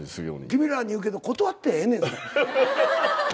君らに言うけど断ってええねんぞ？